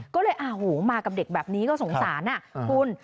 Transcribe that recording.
ก็เลยมากับเด็กแบบนี้ก็สงสารคุณ